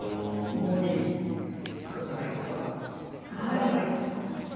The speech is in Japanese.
５二角成とかが受からないってことなんですね。